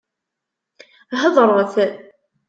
Hedṛet!